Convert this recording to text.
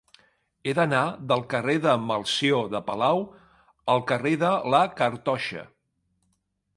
He d'anar del carrer de Melcior de Palau al carrer de la Cartoixa.